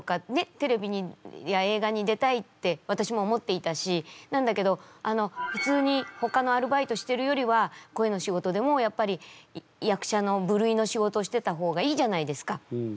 テレビや映画に出たいって私も思っていたしなんだけどあのふつうにほかのアルバイトしてるよりは声の仕事でもやっぱり役者の部類の仕事をしてた方がいいじゃないですか。